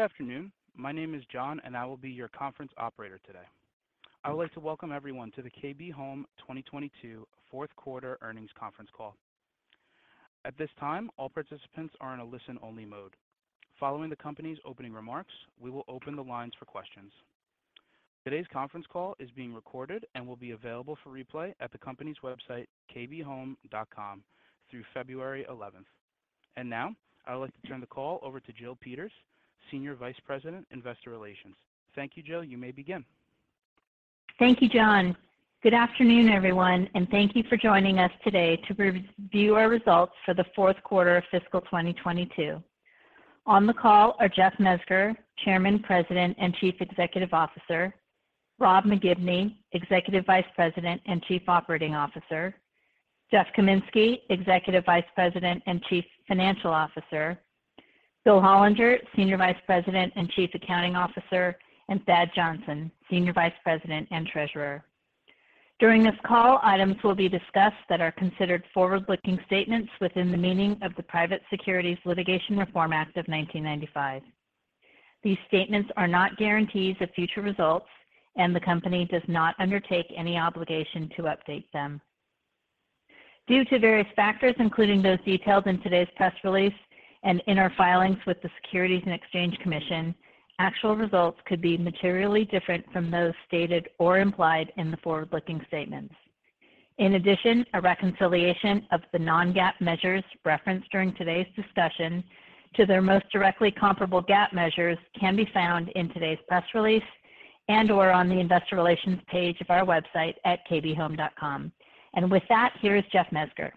Good afternoon. My name is John, I will be your conference operator today. I would like to welcome everyone to the KB Home 2022 fourth quarter earnings conference call. At this time, all participants are in a listen-only mode. Following the company's opening remarks, we will open the lines for questions. Today's conference call is being recorded and will be available for replay at the company's website, kbhome.com, through February 11th. Now, I would like to turn the call over to Jill Peters, Senior Vice President, Investor Relations. Thank you, Jill. You may begin. Thank you, John. Good afternoon, everyone, and thank you for joining us today to review our results for the fourth quarter of fiscal 2022. On the call are Jeff Mezger, Chairman, President, and Chief Executive Officer, Rob McGibney, Executive Vice President and Chief Operating Officer, Jeff Kaminski, Executive Vice President and Chief Financial Officer, Bill Hollinger, Senior Vice President and Chief Accounting Officer, and Thad Johnson, Senior Vice President and Treasurer. During this call, items will be discussed that are considered forward-looking statements within the meaning of the Private Securities Litigation Reform Act of 1995. These statements are not guarantees of future results, and the company does not undertake any obligation to update them. Due to various factors, including those detailed in today's press release and in our filings with the Securities and Exchange Commission, actual results could be materially different from those stated or implied in the forward-looking statements. In addition, a reconciliation of the non-GAAP measures referenced during today's discussion to their most directly comparable GAAP measures can be found in today's press release and/or on the investor relations page of our website at kbhome.com. With that, here is Jeff Mezger.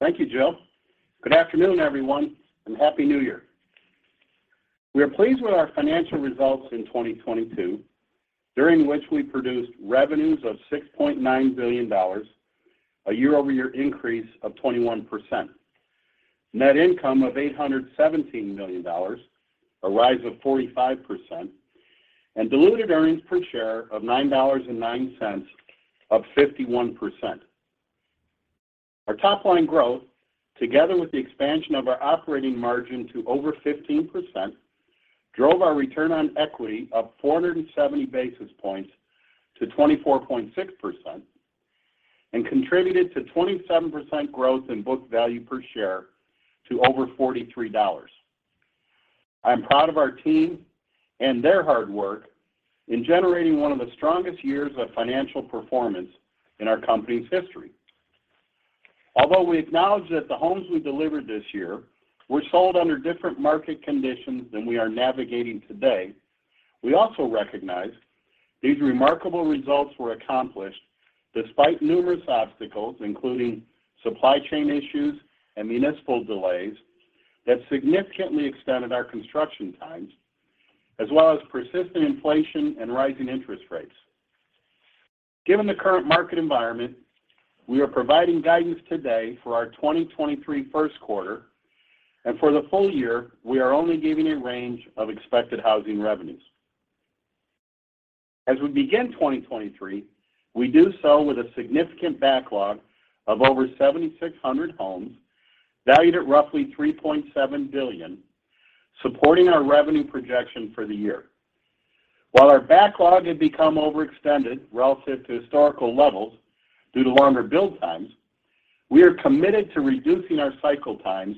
Thank you, Jill. Good afternoon, everyone, and Happy New Year. We are pleased with our financial results in 2022, during which we produced revenues of $6.9 billion, a year-over-year increase of 21%, net income of $817 million, a rise of 45%, and diluted earnings per share of $9.09, up 51%. Our top-line growth, together with the expansion of our operating margin to over 15%, drove our return on equity up 470 basis points to 24.6% and contributed to 27% growth in book value per share to over $43. I am proud of our team and their hard work in generating one of the strongest years of financial performance in our company's history. Although we acknowledge that the homes we delivered this year were sold under different market conditions than we are navigating today, we also recognize these remarkable results were accomplished despite numerous obstacles, including supply chain issues and municipal delays that significantly extended our construction times, as well as persistent inflation and rising interest rates. Given the current market environment, we are providing guidance today for our 2023 1st quarter. For the full year, we are only giving a range of expected housing revenues. As we begin 2023, we do so with a significant backlog of over 7,600 homes valued at roughly $3.7 billion, supporting our revenue projection for the year. While our backlog had become overextended relative to historical levels due to longer build times, we are committed to reducing our cycle times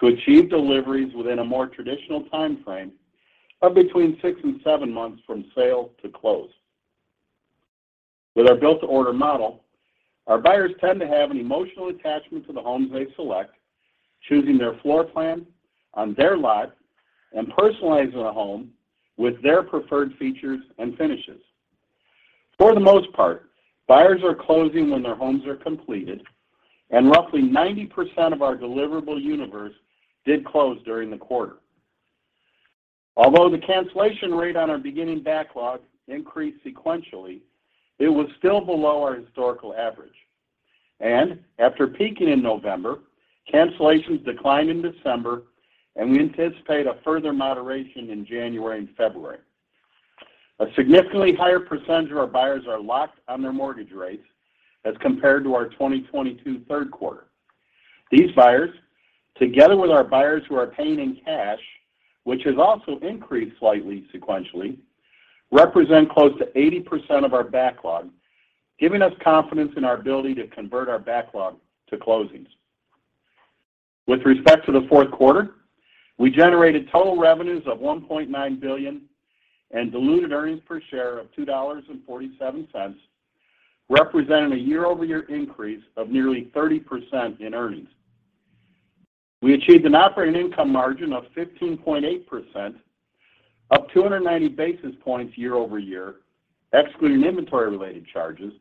to achieve deliveries within a more traditional timeframe of between 6 and 7 months from sale to close. With our Build to Order model, our buyers tend to have an emotional attachment to the homes they select, choosing their floor plan on their lot and personalizing the home with their preferred features and finishes. Roughly 90% of our deliverable universe did close during the quarter. Although the cancellation rate on our beginning backlog increased sequentially, it was still below our historical average. After peaking in November, cancellations declined in December. We anticipate a further moderation in January and February. A significantly higher percentage of our buyers are locked on their mortgage rates as compared to our 2022 third quarter. These buyers, together with our buyers who are paying in cash, which has also increased slightly sequentially, represent close to 80% of our backlog, giving us confidence in our ability to convert our backlog to closings. With respect to the fourth quarter, we generated total revenues of $1.9 billion and diluted earnings per share of $2.47, representing a year-over-year increase of nearly 30% in earnings. We achieved an operating income margin of 15.8%, up 290 basis points year-over-year, excluding inventory-related charges,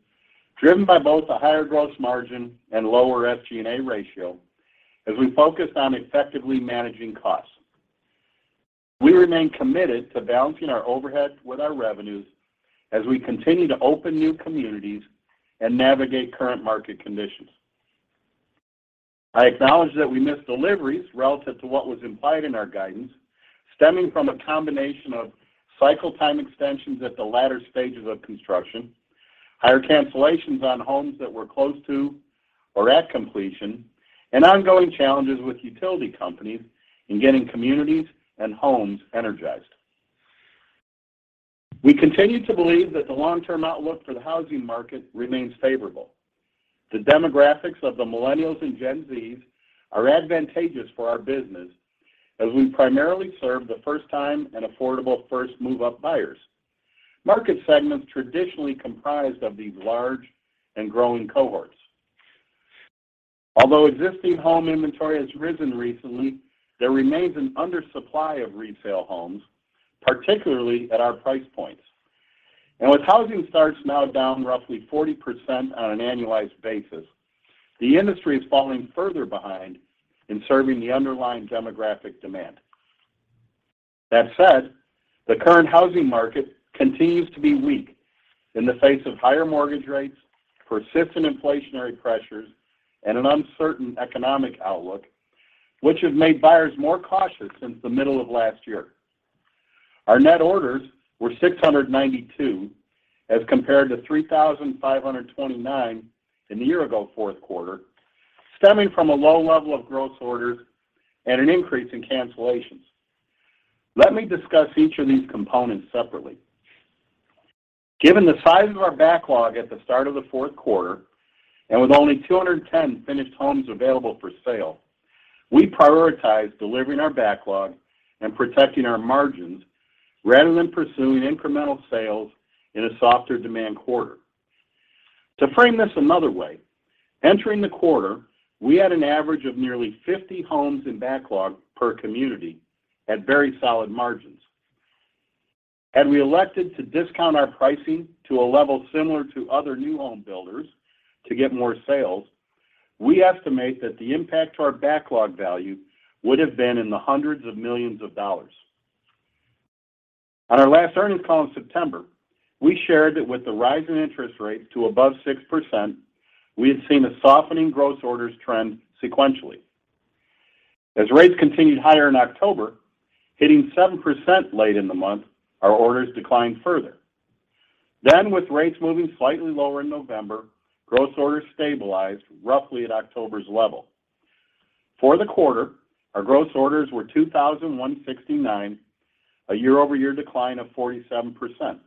driven by both a higher gross margin and lower SG&A ratio as we focused on effectively managing costs. We remain committed to balancing our overhead with our revenues as we continue to open new communities and navigate current market conditions. I acknowledge that we missed deliveries relative to what was implied in our guidance, stemming from a combination of cycle time extensions at the latter stages of construction, higher cancellations on homes that were close to or at completion, and ongoing challenges with utility companies in getting communities and homes energized. We continue to believe that the long-term outlook for the housing market remains favorable. The demographics of the Millennials and Gen Z are advantageous for our business as we primarily serve the first-time and affordable first move-up buyers. Market segments traditionally comprised of these large and growing cohorts. Although existing home inventory has risen recently, there remains an undersupply of resale homes, particularly at our price points. With housing starts now down roughly 40% on an annualized basis, the industry is falling further behind in serving the underlying demographic demand. That said, the current housing market continues to be weak in the face of higher mortgage rates, persistent inflationary pressures, and an uncertain economic outlook, which has made buyers more cautious since the middle of last year. Our net orders were 692, as compared to 3,529 in the year-ago fourth quarter, stemming from a low level of gross orders and an increase in cancellations. Let me discuss each of these components separately. Given the size of our backlog at the start of the fourth quarter, and with only 210 finished homes available for sale, we prioritize delivering our backlog and protecting our margins rather than pursuing incremental sales in a softer demand quarter. To frame this another way, entering the quarter, we had an average of nearly 50 homes in backlog per community at very solid margins. Had we elected to discount our pricing to a level similar to other new home builders to get more sales, we estimate that the impact to our backlog value would have been in the hundreds of millions of dollars. On our last earnings call in September, we shared that with the rise in interest rates to above 6%, we had seen a softening gross orders trend sequentially. As rates continued higher in October, hitting 7% late in the month, our orders declined further. With rates moving slightly lower in November, gross orders stabilized roughly at October's level. For the quarter, our gross orders were 2,169, a year-over-year decline of 47%.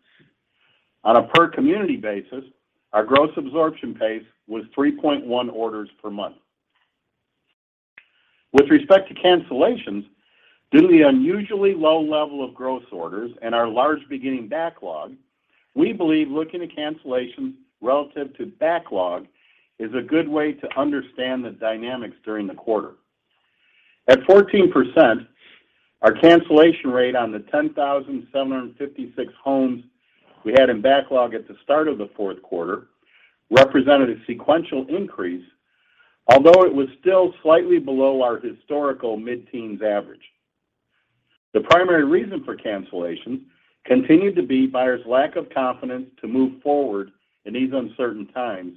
On a per-community basis, our gross absorption pace was 3.1 orders per month. With respect to cancellations, due to the unusually low level of gross orders and our large beginning backlog, we believe looking at cancellations relative to backlog is a good way to understand the dynamics during the quarter. At 14%, our cancellation rate on the 10,756 homes we had in backlog at the start of the fourth quarter represented a sequential increase, although it was still slightly below our historical mid-teens average. The primary reason for cancellations continued to be buyers' lack of confidence to move forward in these uncertain times,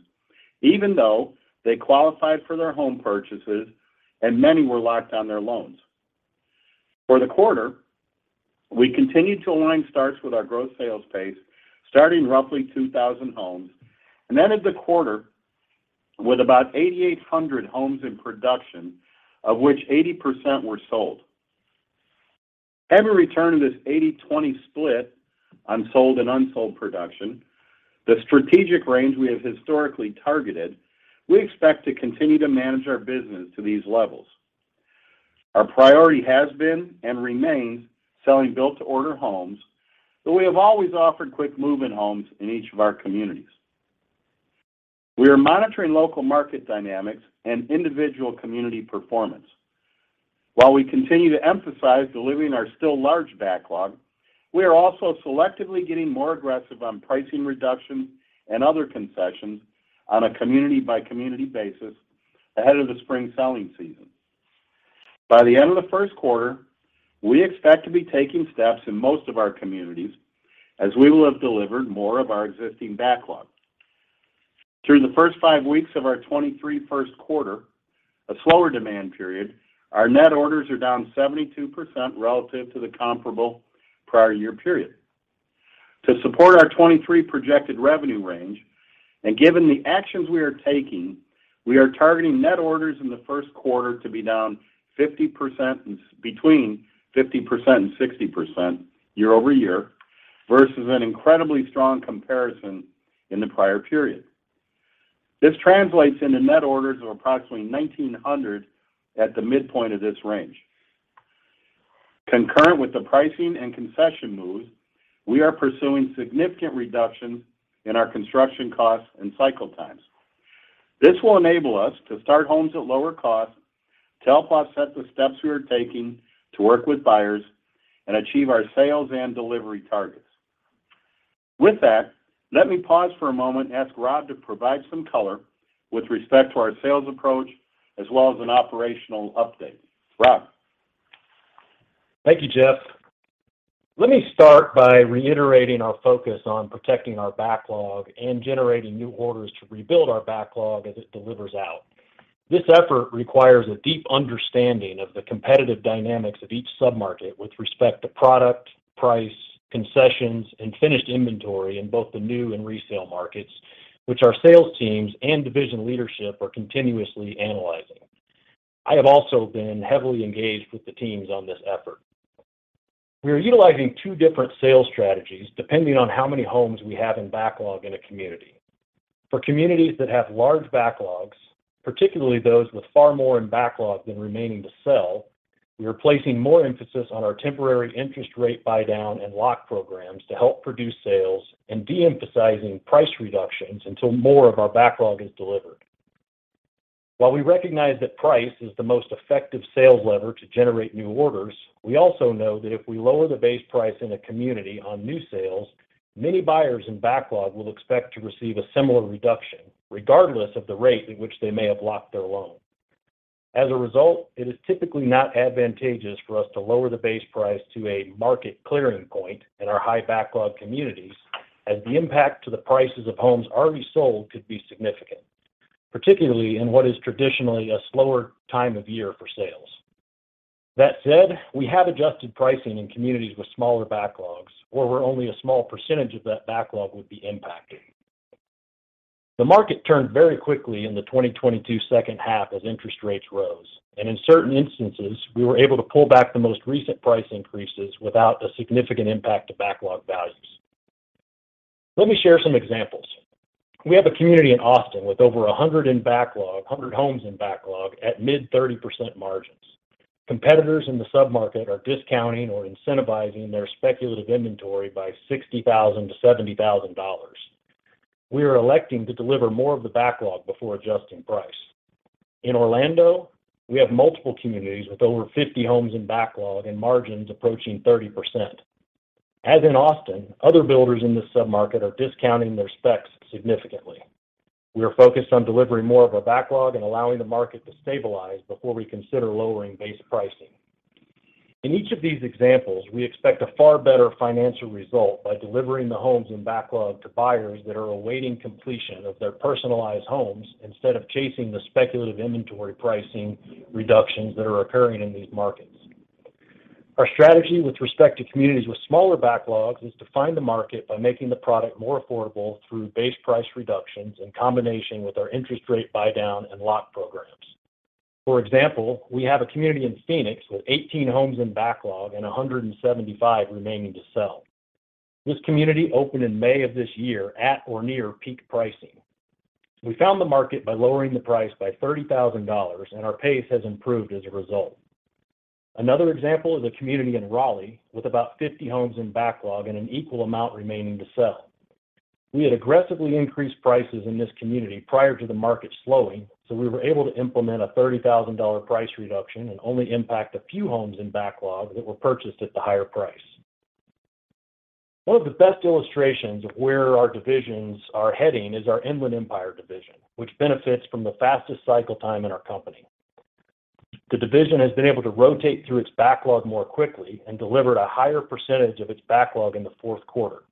even though they qualified for their home purchases and many were locked on their loans. For the quarter, we continued to align starts with our gross sales pace, starting roughly 2,000 homes, and ended the quarter with about 8,800 homes in production, of which 80% were sold. Having returned this 80/20 split, unsold and unsold production, the strategic range we have historically targeted, we expect to continue to manage our business to these levels. Our priority has been and remains selling Build to Order homes, but we have always offered quick move-in homes in each of our communities. We are monitoring local market dynamics and individual community performance. While we continue to emphasize delivering our still large backlog, we are also selectively getting more aggressive on pricing reductions and other concessions on a community-by-community basis ahead of the spring selling season. By the end of the first quarter, we expect to be taking steps in most of our communities as we will have delivered more of our existing backlog. Through the first five weeks of our 2023 first quarter, a slower demand period, our net orders are down 72% relative to the comparable prior year period. To support our 2023 projected revenue range, and given the actions we are taking, we are targeting net orders in the first quarter to be down between 50% and 60% year-over-year versus an incredibly strong comparison in the prior period. This translates into net orders of approximately 1,900 at the midpoint of this range. Concurrent with the pricing and concession moves, we are pursuing significant reductions in our construction costs and cycle times. This will enable us to start homes at lower cost to help offset the steps we are taking to work with buyers and achieve our sales and delivery targets. With that, let me pause for a moment and ask Rob to provide some color with respect to our sales approach as well as an operational update. Rob. Thank you, Jeff. Let me start by reiterating our focus on protecting our backlog and generating new orders to rebuild our backlog as it delivers out. This effort requires a deep understanding of the competitive dynamics of each submarket with respect to product, price, concessions, and finished inventory in both the new and resale markets, which our sales teams and division leadership are continuously analyzing. I have also been heavily engaged with the teams on this effort. We are utilizing 2 different sales strategies depending on how many homes we have in backlog in a community. For communities that have large backlogs, particularly those with far more in backlog than remaining to sell, we are placing more emphasis on our temporary interest rate buydown and lock programs to help produce sales and de-emphasizing price reductions until more of our backlog is delivered. While we recognize that price is the most effective sales lever to generate new orders, we also know that if we lower the base price in a community on new sales, many buyers in backlog will expect to receive a similar reduction, regardless of the rate at which they may have locked their loan. As a result, it is typically not advantageous for us to lower the base price to a market clearing point in our high backlog communities as the impact to the prices of homes already sold could be significant, particularly in what is traditionally a slower time of year for sales. That said, we have adjusted pricing in communities with smaller backlogs, or where only a small % of that backlog would be impacted. The market turned very quickly in the 2022 second half as interest rates rose. In certain instances, we were able to pull back the most recent price increases without a significant impact to backlog values. Let me share some examples. We have a community in Austin with over 100 in backlog, 100 homes in backlog at mid 30% margins. Competitors in the submarket are discounting or incentivizing their speculative inventory by $60,000-$70,000. We are electing to deliver more of the backlog before adjusting price. In Orlando, we have multiple communities with over 50 homes in backlog and margins approaching 30%. As in Austin, other builders in this submarket are discounting their specs significantly. We are focused on delivering more of our backlog and allowing the market to stabilize before we consider lowering base pricing. In each of these examples, we expect a far better financial result by delivering the homes in backlog to buyers that are awaiting completion of their personalized homes instead of chasing the speculative inventory pricing reductions that are occurring in these markets. Our strategy with respect to communities with smaller backlogs is to find the market by making the product more affordable through base price reductions in combination with our interest rate buydown and lock programs. For example, we have a community in Phoenix with 18 homes in backlog and 175 remaining to sell. This community opened in May of this year at or near peak pricing. We found the market by lowering the price by $30,000, and our pace has improved as a result. Another example is a community in Raleigh with about 50 homes in backlog and an equal amount remaining to sell. We had aggressively increased prices in this community prior to the market slowing, so we were able to implement a $30,000 price reduction and only impact a few homes in backlog that were purchased at the higher price. One of the best illustrations of where our divisions are heading is our Inland Empire division, which benefits from the fastest cycle time in our company. The division has been able to rotate through its backlog more quickly and delivered a higher percentage of its backlog in the fourth quarter.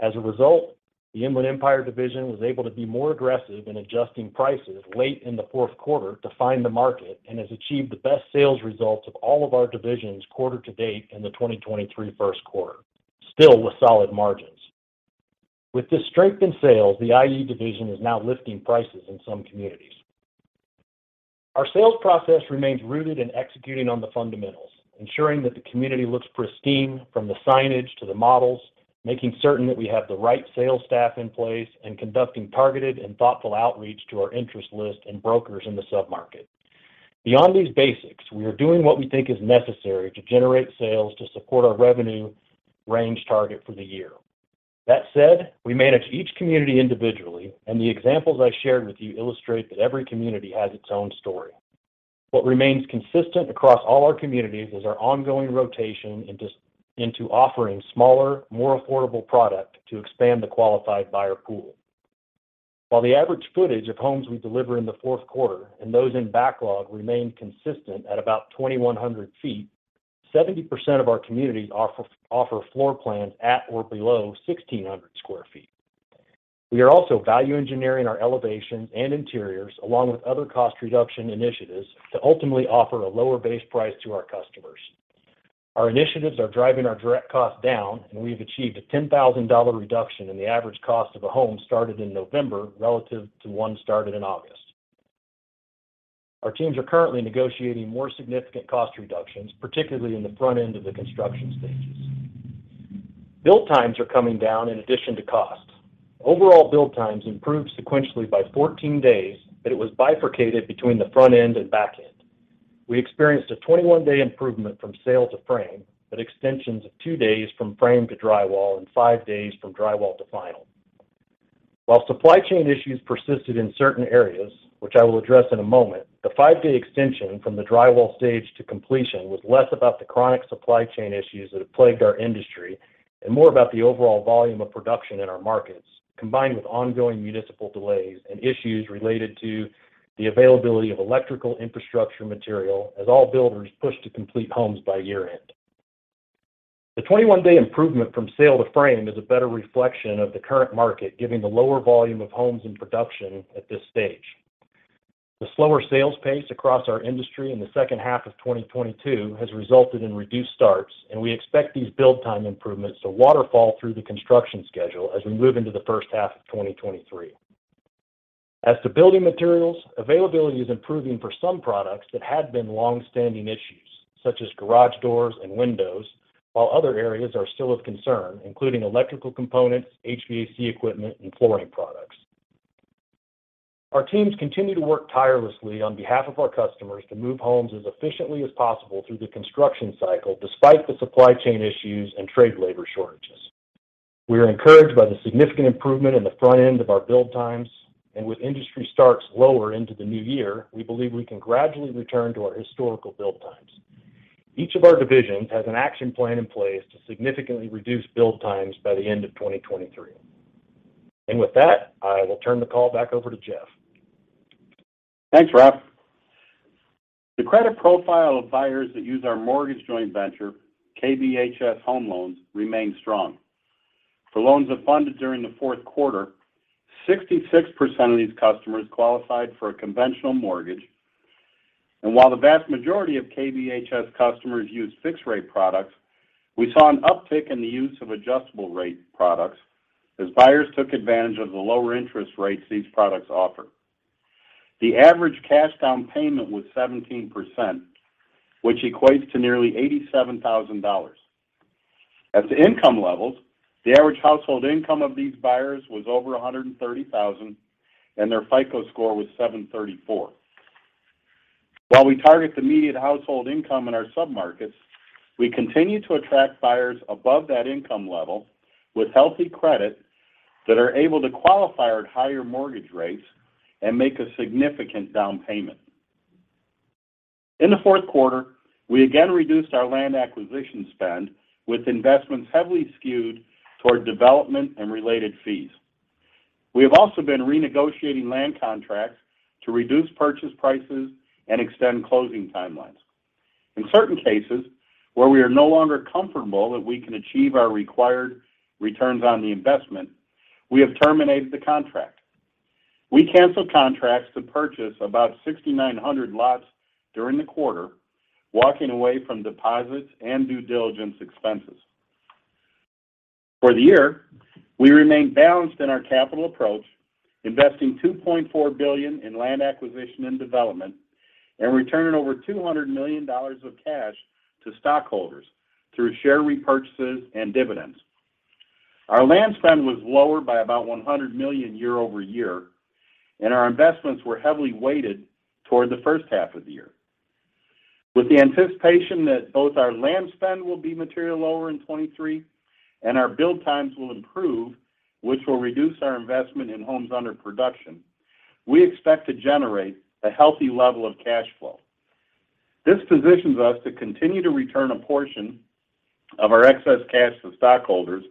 As a result, the Inland Empire division was able to be more aggressive in adjusting prices late in the fourth quarter to find the market and has achieved the best sales results of all of our divisions quarter to date in the 2023 first quarter, still with solid margins. With this strength in sales, the IE division is now lifting prices in some communities. Our sales process remains rooted in executing on the fundamentals, ensuring that the community looks pristine from the signage to the models, making certain that we have the right sales staff in place, and conducting targeted and thoughtful outreach to our interest list and brokers in the submarket. Beyond these basics, we are doing what we think is necessary to generate sales to support our revenue range target for the year. We manage each community individually, and the examples I shared with you illustrate that every community has its own story. What remains consistent across all our communities is our ongoing rotation into offering smaller, more affordable product to expand the qualified buyer pool. While the average footage of homes we deliver in the fourth quarter and those in backlog remain consistent at about 2,100 feet, 70% of our communities offer floor plans at or below 1,600 sq ft. We are also value engineering our elevations and interiors, along with other cost reduction initiatives, to ultimately offer a lower base price to our customers. Our initiatives are driving our direct costs down. We have achieved a $10,000 reduction in the average cost of a home started in November relative to one started in August. Our teams are currently negotiating more significant cost reductions, particularly in the front end of the construction stages. Build times are coming down in addition to costs. Overall build times improved sequentially by 14 days. It was bifurcated between the front end and back end. We experienced a 21-day improvement from sale to frame, but extensions of 2 days from frame to drywall and 5 days from drywall to final. While supply chain issues persisted in certain areas, which I will address in a moment, the 5-day extension from the drywall stage to completion was less about the chronic supply chain issues that have plagued our industry and more about the overall volume of production in our markets, combined with ongoing municipal delays and issues related to the availability of electrical infrastructure material as all builders pushed to complete homes by year-end. The 21-day improvement from sale to frame is a better reflection of the current market, giving the lower volume of homes in production at this stage. The slower sales pace across our industry in the second half of 2022 has resulted in reduced starts. We expect these build time improvements to waterfall through the construction schedule as we move into the first half of 2023. As to building materials, availability is improving for some products that had been long-standing issues, such as garage doors and windows, while other areas are still of concern, including electrical components, HVAC equipment, and flooring products. Our teams continue to work tirelessly on behalf of our customers to move homes as efficiently as possible through the construction cycle despite the supply chain issues and trade labor shortages. We are encouraged by the significant improvement in the front end of our build times. With industry starts lower into the new year, we believe we can gradually return to our historical build times. Each of our divisions has an action plan in place to significantly reduce build times by the end of 2023. With that, I will turn the call back over to Jeff. Thanks, Rob. The credit profile of buyers that use our mortgage joint venture, KBHS Home Loans, remains strong. For loans that funded during the fourth quarter, 66% of these customers qualified for a conventional mortgage. While the vast majority of KBHS customers used fixed-rate products, we saw an uptick in the use of adjustable rate products as buyers took advantage of the lower interest rates these products offer. The average cash down payment was 17%, which equates to nearly $87,000. As to income levels, the average household income of these buyers was over $130,000, and their FICO score was 734. While we target the median household income in our submarkets, we continue to attract buyers above that income level with healthy credit that are able to qualify at higher mortgage rates and make a significant down payment. In the fourth quarter, we again reduced our land acquisition spend with investments heavily skewed toward development and related fees. We have also been renegotiating land contracts to reduce purchase prices and extend closing timelines. In certain cases, where we are no longer comfortable that we can achieve our required returns on the investment, we have terminated the contract. We canceled contracts to purchase about 6,900 lots during the quarter, walking away from deposits and due diligence expenses. For the year, we remained balanced in our capital approach, investing $2.4 billion in land acquisition and development, and returning over $200 million of cash to stockholders through share repurchases and dividends. Our land spend was lower by about $100 million year-over-year, and our investments were heavily weighted toward the first half of the year. With the anticipation that both our land spend will be materially lower in 2023 and our build times will improve, which will reduce our investment in homes under production, we expect to generate a healthy level of cash flow. This positions us to continue to return a portion of our excess cash to stockholders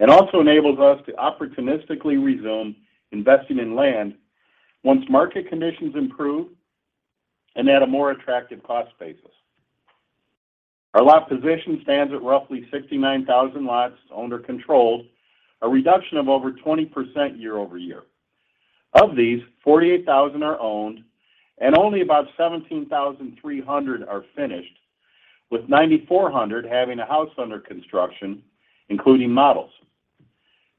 and also enables us to opportunistically resume investing in land once market conditions improve and at a more attractive cost basis. Our lot position stands at roughly 69,000 lots owned or controlled, a reduction of over 20% year-over-year. Of these, 48,000 are owned and only about 17,300 are finished, with 9,400 having a house under construction, including models.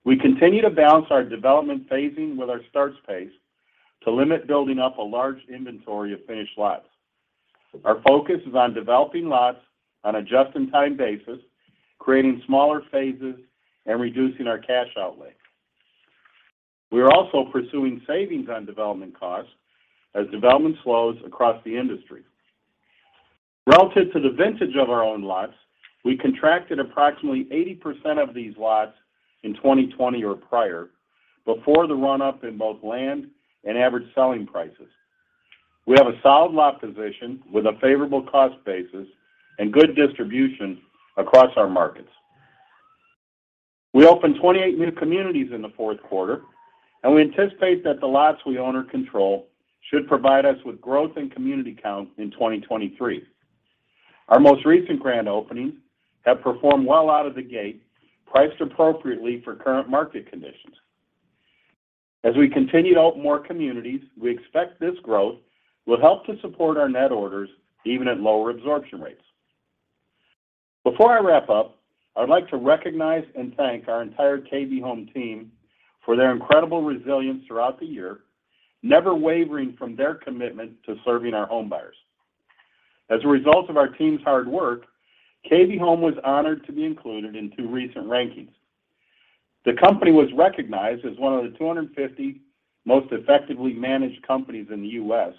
We continue to balance our development phasing with our starts pace to limit building up a large inventory of finished lots. Our focus is on developing lots on a just-in-time basis, creating smaller phases and reducing our cash outlay. We are also pursuing savings on development costs as development slows across the industry. Relative to the vintage of our own lots, we contracted approximately 80% of these lots in 2020 or prior before the run-up in both land and average selling prices. We have a solid lot position with a favorable cost basis and good distribution across our markets. We opened 28 new communities in the fourth quarter, and we anticipate that the lots we own or control should provide us with growth in community count in 2023. Our most recent grand openings have performed well out of the gate, priced appropriately for current market conditions. As we continue to open more communities, we expect this growth will help to support our net orders even at lower absorption rates. Before I wrap up, I'd like to recognize and thank our entire KB Home team for their incredible resilience throughout the year, never wavering from their commitment to serving our homebuyers. As a result of our team's hard work, KB Home was honored to be included in 2 recent rankings. The company was recognized as one of the 250 most effectively managed companies in the U.S.,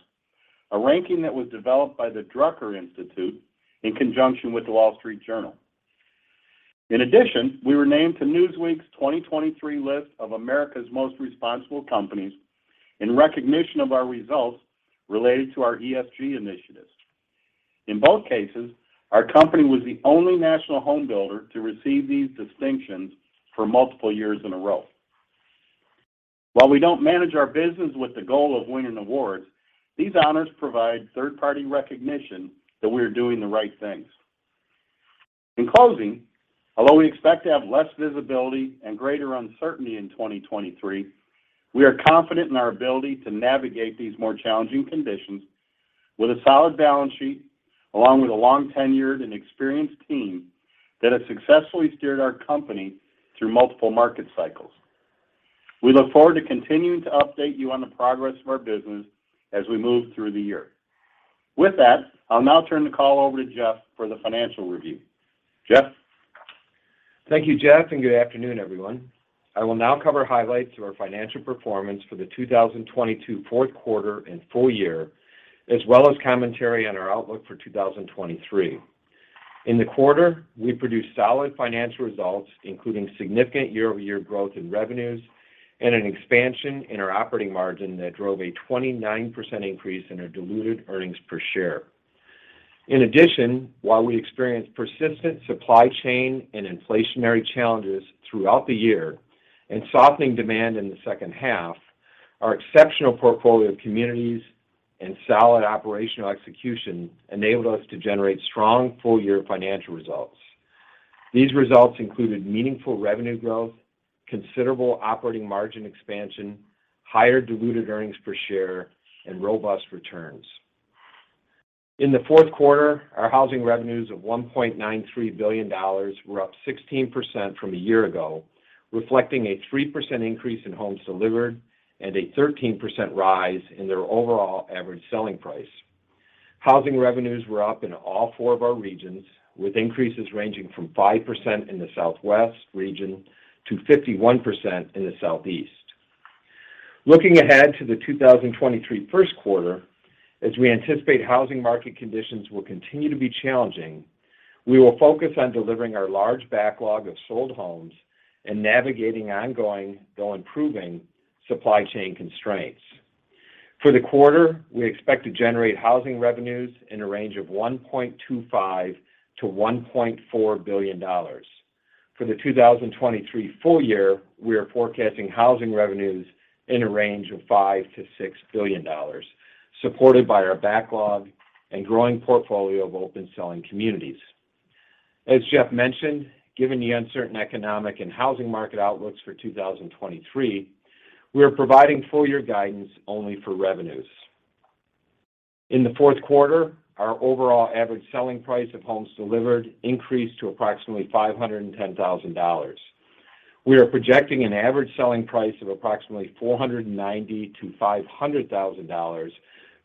a ranking that was developed by the Drucker Institute in conjunction with The Wall Street Journal. In addition, we were named to Newsweek's 2023 list of America's Most Responsible Companies in recognition of our results related to our ESG initiatives. In both cases, our company was the only national home builder to receive these distinctions for multiple years in a row. While we don't manage our business with the goal of winning awards, these honors provide third-party recognition that we are doing the right things. In closing, although we expect to have less visibility and greater uncertainty in 2023, we are confident in our ability to navigate these more challenging conditions with a solid balance sheet, along with a long-tenured and experienced team that has successfully steered our company through multiple market cycles. We look forward to continuing to update you on the progress of our business as we move through the year. With that, I'll now turn the call over to Jeff for the financial review. Jeff? Thank you, Jeff. Good afternoon, everyone. I will now cover highlights of our financial performance for the 2022 fourth quarter and full year, as well as commentary on our outlook for 2023. In the quarter, we produced solid financial results, including significant year-over-year growth in revenues and an expansion in our operating margin that drove a 29% increase in our diluted earnings per share. While we experienced persistent supply chain and inflationary challenges throughout the year and softening demand in the second half, our exceptional portfolio of communities and solid operational execution enabled us to generate strong full-year financial results. These results included meaningful revenue growth, considerable operating margin expansion, higher diluted earnings per share, and robust returns. In the fourth quarter, our housing revenues of $1.93 billion were up 16% from a year ago, reflecting a 3% increase in homes delivered and a 13% rise in their overall average selling price. Housing revenues were up in all four of our regions, with increases ranging from 5% in the Southwest region to 51% in the Southeast. Looking ahead to the 2023 first quarter, as we anticipate housing market conditions will continue to be challenging, we will focus on delivering our large backlog of sold homes and navigating ongoing, though improving, supply chain constraints. For the quarter, we expect to generate housing revenues in a range of $1.25 billion-$1.4 billion. For the 2023 full year, we are forecasting housing revenues in a range of $5 billion-$6 billion, supported by our backlog and growing portfolio of open selling communities. As Jeff mentioned, given the uncertain economic and housing market outlooks for 2023, we are providing full-year guidance only for revenues. In the fourth quarter, our overall average selling price of homes delivered increased to approximately $510,000. We are projecting an average selling price of approximately $490,000-$500,000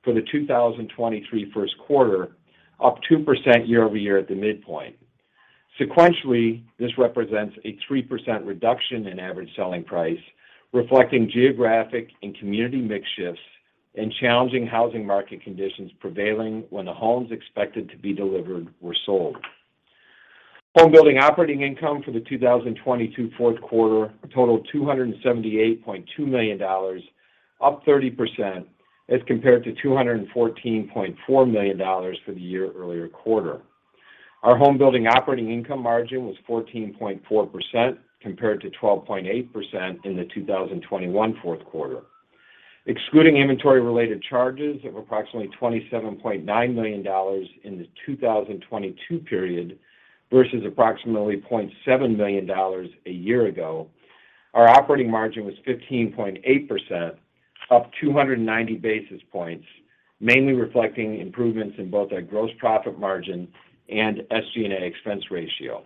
for the 2023 1st quarter, up 2% year-over-year at the midpoint. Sequentially, this represents a 3% reduction in average selling price, reflecting geographic and community mix shifts and challenging housing market conditions prevailing when the homes expected to be delivered were sold. Home building operating income for the 2022 fourth quarter totaled $278.2 million, up 30% as compared to $214.4 million for the year-earlier quarter. Our home building operating income margin was 14.4% compared to 12.8% in the 2021 fourth quarter. Excluding inventory-related charges of approximately $27.9 million in the 2022 period versus approximately $0.7 million a year ago, our operating margin was 15.8%, up 290 basis points, mainly reflecting improvements in both our gross profit margin and SG&A expense ratio.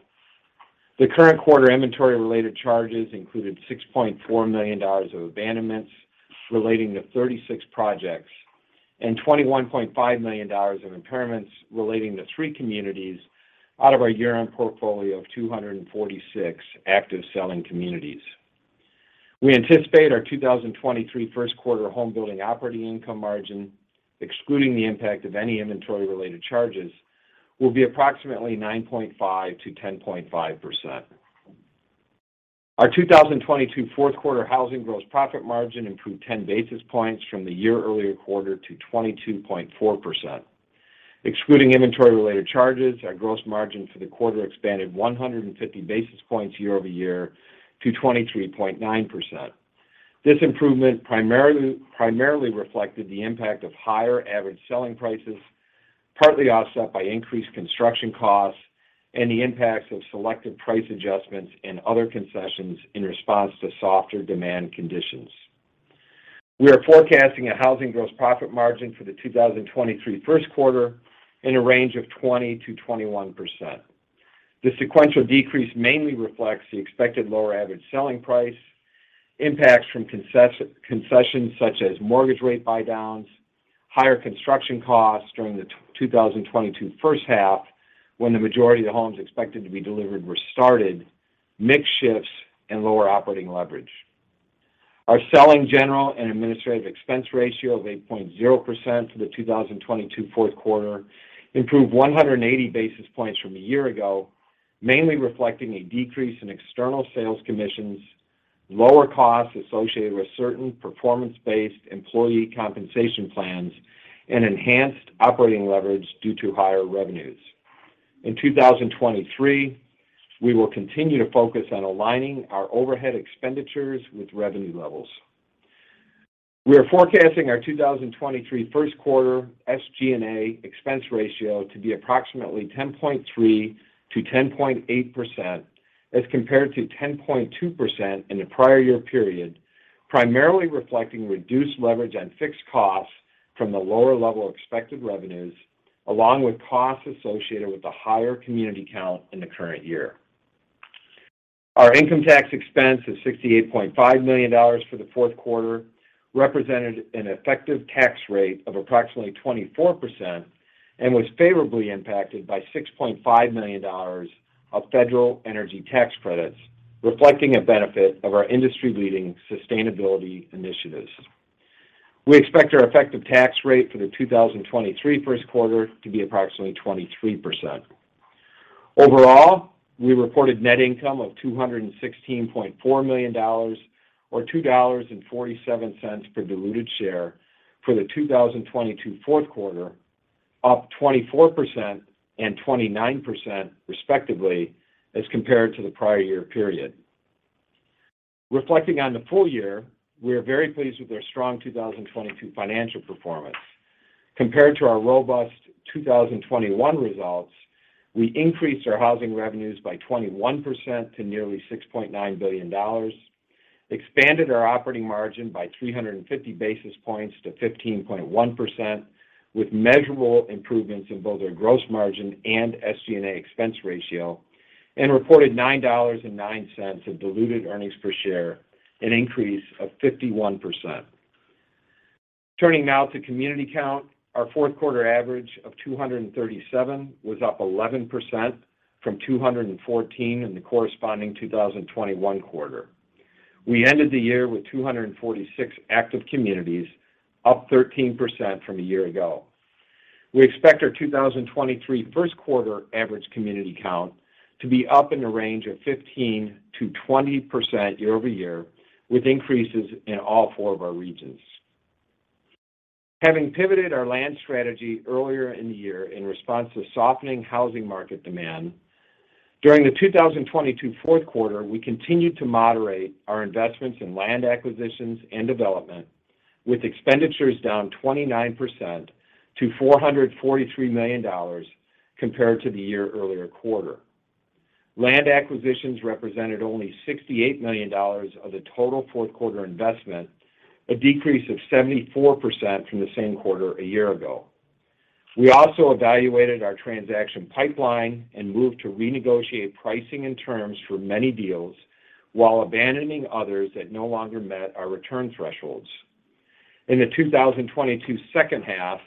The current quarter inventory-related charges included $6.4 million of abandonments relating to 36 projects and $21.5 million of impairments relating to three communities out of our year-end portfolio of 246 active selling communities. We anticipate our 2023 first quarter home building operating income margin, excluding the impact of any inventory-related charges, will be approximately 9.5%-10.5%. Our 2022 fourth quarter housing gross profit margin improved 10 basis points from the year earlier quarter to 22.4%. Excluding inventory-related charges, our gross margin for the quarter expanded 150 basis points year-over-year to 23.9%. This improvement primarily reflected the impact of higher average selling prices, partly offset by increased construction costs and the impacts of selective price adjustments and other concessions in response to softer demand conditions. We are forecasting a housing gross profit margin for the 2023 first quarter in a range of 20%-21%. The sequential decrease mainly reflects the expected lower average selling price, impacts from concessions such as mortgage rate buydowns, higher construction costs during the 2022 first half when the majority of the homes expected to be delivered were started, mix shifts, and lower operating leverage. Our selling general and administrative expense ratio of 8.0% for the 2022 fourth quarter improved 180 basis points from a year ago, mainly reflecting a decrease in external sales commissions, lower costs associated with certain performance-based employee compensation plans, and enhanced operating leverage due to higher revenues. In 2023, we will continue to focus on aligning our overhead expenditures with revenue levels. We are forecasting our 2023 first quarter SG&A expense ratio to be approximately 10.3%-10.8% as compared to 10.2% in the prior year period, primarily reflecting reduced leverage on fixed costs from the lower level expected revenues, along with costs associated with the higher community count in the current year. Our income tax expense is $68.5 million for the fourth quarter, represented an effective tax rate of approximately 24% and was favorably impacted by $6.5 million of federal energy tax credits, reflecting a benefit of our industry-leading sustainability initiatives. We expect our effective tax rate for the 2023 first quarter to be approximately 23%. Overall, we reported net income of $216.4 million or $2.47 per diluted share for the 2022 fourth quarter, up 24% and 29% respectively as compared to the prior year period. Reflecting on the full year, we are very pleased with our strong 2022 financial performance. Compared to our robust 2021 results, we increased our housing revenues by 21% to nearly $6.9 billion, expanded our operating margin by 350 basis points to 15.1% with measurable improvements in both our gross margin and SG&A expense ratio, and reported $9.09 of diluted earnings per share, an increase of 51%. Turning now to community count, our fourth quarter average of 237 was up 11% from 214 in the corresponding 2021 quarter. We ended the year with 246 active communities, up 13% from a year ago. We expect our 2023 first quarter average community count to be up in the range of 15%-20% year-over-year, with increases in all four of our regions. Having pivoted our land strategy earlier in the year in response to softening housing market demand, during the 2022 fourth quarter, we continued to moderate our investments in land acquisitions and development, with expenditures down 29% to $443 million compared to the year earlier quarter. Land acquisitions represented only $68 million of the total fourth quarter investment, a decrease of 74% from the same quarter a year ago. We also evaluated our transaction pipeline and moved to renegotiate pricing and terms for many deals while abandoning others that no longer met our return thresholds. In the 2022 second half,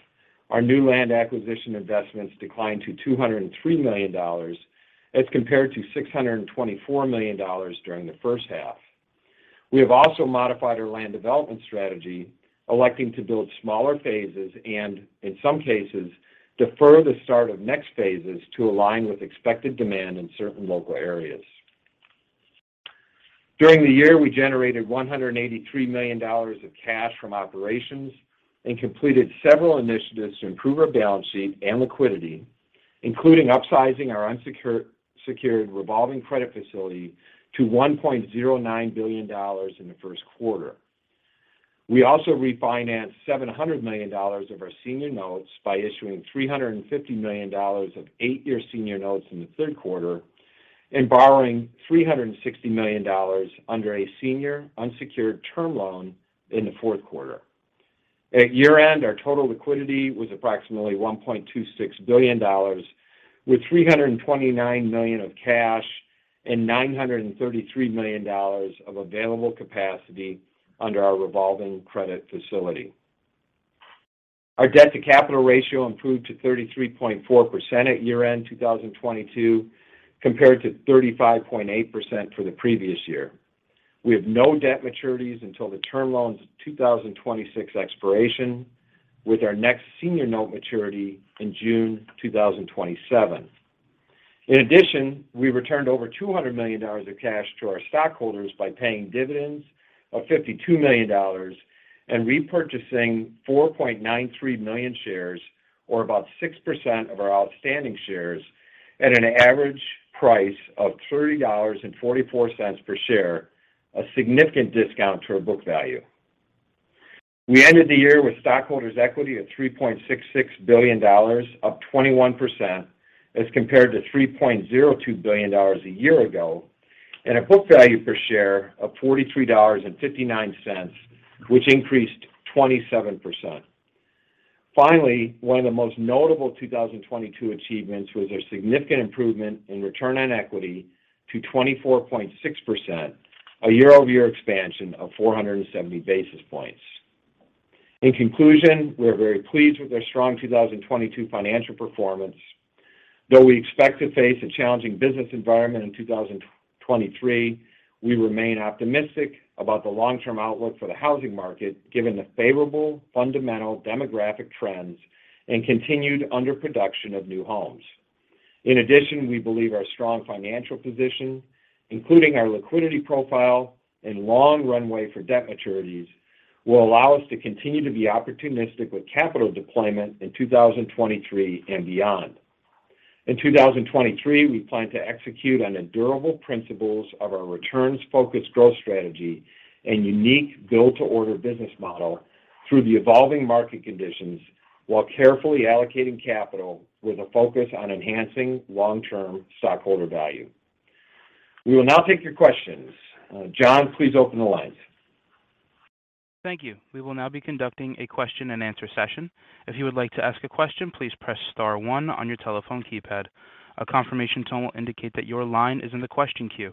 our new land acquisition investments declined to $203 million as compared to $624 million during the first half. We have also modified our land development strategy, electing to build smaller phases and, in some cases, defer the start of next phases to align with expected demand in certain local areas. During the year, we generated $183 million of cash from operations and completed several initiatives to improve our balance sheet and liquidity, including upsizing our unsecured, secured revolving credit facility to $1.09 billion in the first quarter. We also refinanced $700 million of our senior notes by issuing $350 million of 8-year senior notes in the third quarter and borrowing $360 million under a senior unsecured term loan in the fourth quarter. At year-end, our total liquidity was approximately $1.26 billion, with $329 million of cash and $933 million of available capacity under our revolving credit facility. Our debt-to-capital ratio improved to 33.4% at year-end 2022, compared to 35.8% for the previous year. We have no debt maturities until the term loan's 2026 expiration, with our next senior note maturity in June 2027. We returned over $200 million of cash to our stockholders by paying dividends of $52 million and repurchasing 4.93 million shares or about 6% of our outstanding shares at an average price of $30.44 per share, a significant discount to our book value. We ended the year with stockholders' equity of $3.66 billion, up 21% as compared to $3.02 billion a year ago, and a book value per share of $43.59, which increased 27%. Finally, one of the most notable 2022 achievements was a significant improvement in return on equity to 24.6%, a year-over-year expansion of 470 basis points. In conclusion, we are very pleased with our strong 2022 financial performance. Though we expect to face a challenging business environment in 2023, we remain optimistic about the long-term outlook for the housing market, given the favorable fundamental demographic trends and continued underproduction of new homes. In addition, we believe our strong financial position, including our liquidity profile and long runway for debt maturities will allow us to continue to be opportunistic with capital deployment in 2023 and beyond. In 2023, we plan to execute on the durable principles of our returns-focused growth strategy and unique Build to Order business model through the evolving market conditions while carefully allocating capital with a focus on enhancing long-term stockholder value. We will now take your questions. John, please open the lines. Thank you. We will now be conducting a question-and-answer session. If you would like to ask a question, please press star one on your telephone keypad. A confirmation tone will indicate that your line is in the question queue.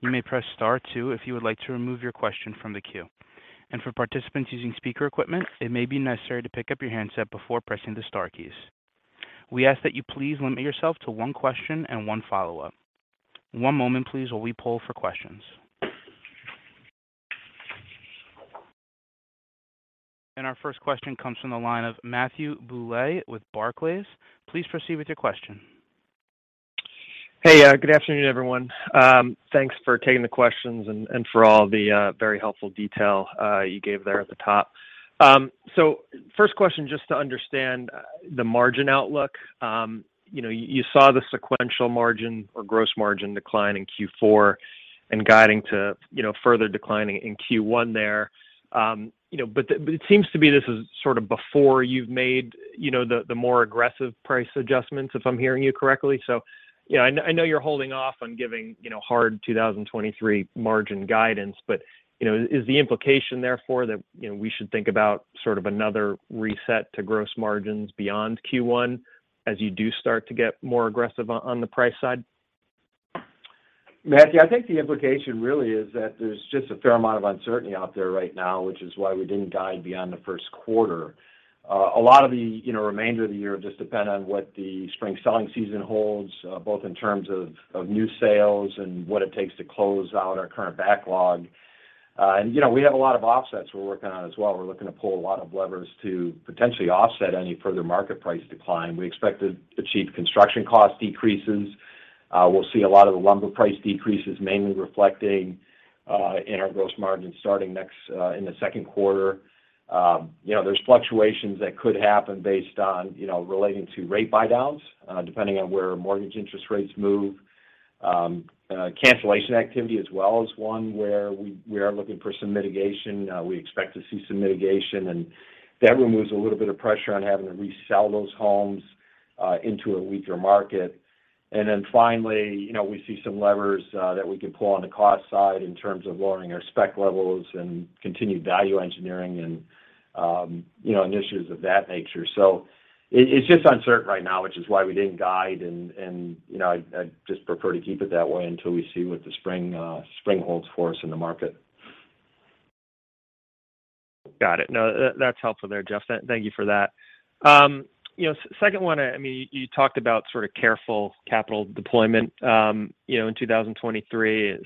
You may press star two if you would like to remove your question from the queue. For participants using speaker equipment, it may be necessary to pick up your handset before pressing the star keys. We ask that you please limit yourself to one question and one follow-up. One moment, please, while we poll for questions. Our first question comes from the line of Matthew Bouley with Barclays. Please proceed with your question. Hey, good afternoon, everyone. Thanks for taking the questions and for all the very helpful detail you gave there at the top. First question, just to understand the margin outlook. You know, you saw the sequential margin or gross margin decline in Q4 and guiding to, you know, further declining in Q1 there. You know, but it seems to me this is sort of before you've made, you know, the more aggressive price adjustments, if I'm hearing you correctly. You know, I know you're holding off on giving, you know, hard 2023 margin guidance, but, you know, is the implication therefore that, you know, we should think about sort of another reset to gross margins beyond Q1 as you do start to get more aggressive on the price side? Matthew, I think the implication really is that there's just a fair amount of uncertainty out there right now, which is why we didn't guide beyond the first quarter. A lot of the, you know, remainder of the year just depend on what the spring selling season holds, both in terms of new sales and what it takes to close out our current backlog. You know, we have a lot of offsets we're working on as well. We're looking to pull a lot of levers to potentially offset any further market price decline. We expect to achieve construction cost decreases. We'll see a lot of the lumber price decreases mainly reflecting, in our gross margin starting next in the second quarter. You know, there's fluctuations that could happen based on, you know, relating to rate buydowns, depending on where mortgage interest rates move. Cancellation activity as well is one where we are looking for some mitigation. We expect to see some mitigation, that removes a little bit of pressure on having to resell those homes into a weaker market. Finally, you know, we see some levers that we can pull on the cost side in terms of lowering our spec levels and continued value engineering and, you know, initiatives of that nature. It's just uncertain right now, which is why we didn't guide and, you know, I just prefer to keep it that way until we see what the spring holds for us in the market. Got it. No, that's helpful there, Jeff. Thank you for that. You know, second one, I mean, you talked about sort of careful capital deployment, you know, in 2023. As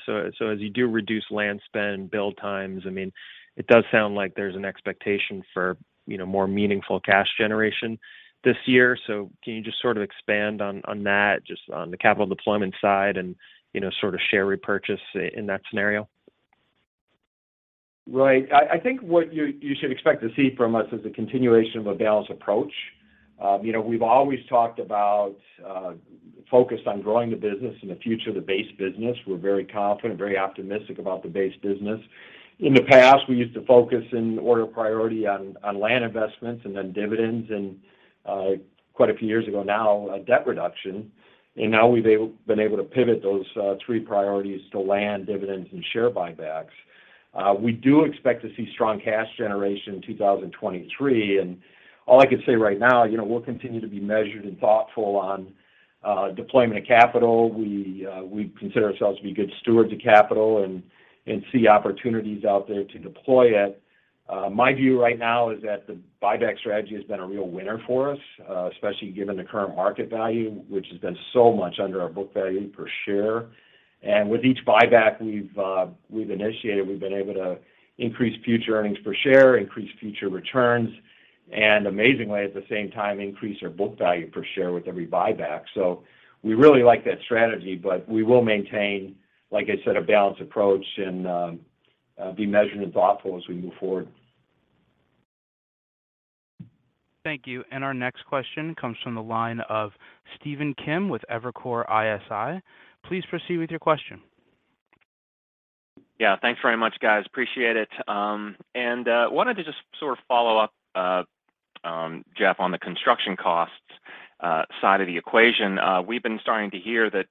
you do reduce land spend and build times, I mean, it does sound like there's an expectation for, you know, more meaningful cash generation this year. Can you just sort of expand on that, just on the capital deployment side and, you know, sort of share repurchase in that scenario? Right. I think what you should expect to see from us is a continuation of a balanced approach. You know, we've always talked about focus on growing the business and the future of the base business. We're very confident, very optimistic about the base business. In the past, we used to focus and order priority on land investments and then dividends and quite a few years ago now, debt reduction. Now we've been able to pivot those three priorities to land dividends and share buybacks. We do expect to see strong cash generation in 2023. All I can say right now, you know, we'll continue to be measured and thoughtful on deployment of capital. We consider ourselves to be good stewards of capital and see opportunities out there to deploy it. My view right now is that the buyback strategy has been a real winner for us, especially given the current market value, which has been so much under our book value per share. With each buyback we've initiated, we've been able to increase future earnings per share, increase future returns, and amazingly, at the same time, increase our book value per share with every buyback. We really like that strategy, but we will maintain, like I said, a balanced approach and be measured and thoughtful as we move forward. Thank you. Our next question comes from the line of Stephen Kim with Evercore ISI. Please proceed with your question. Yeah. Thanks very much, guys. Appreciate it. wanted to just sort of follow up, Jeff, on the construction costs side of the equation. we've been starting to hear that